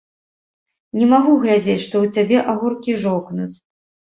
Не магу глядзець, што ў цябе агуркі жоўкнуць.